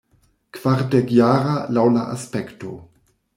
Kvardekjara, laŭ la aspekto.